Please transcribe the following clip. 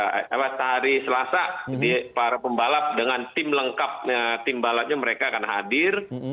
eh apa hari selasa para pembalap dengan tim lengkap tim balapnya mereka akan hadir